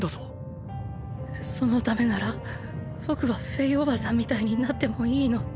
そのためなら僕はフェイおばさんみたいになってもいいの？